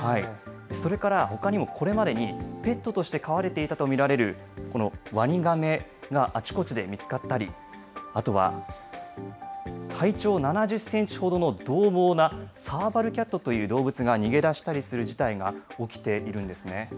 それからほかにもこれまでに、ペットとして飼われていたと見られる、このワニガメがあちこちで見つかったり、あとは、体長７０センチほどのどう猛なサーバルキャットという動物が逃げ出したりする事態が起きているんですね。